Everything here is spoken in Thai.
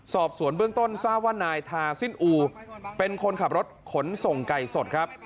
สอบสวนเบื้องต้นทราบว่านายทาซินอูเป็นคนขับรถขนส่งไก่สดครับ